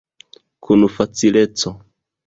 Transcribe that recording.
Kun facileco.